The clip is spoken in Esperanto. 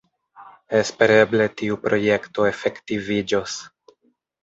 Espereble, tiu projekto efektiviĝos.